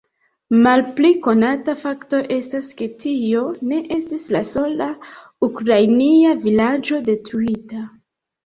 Malpli konata fakto estas, ke tio ne estis la sola ukrainia vilaĝo detruita.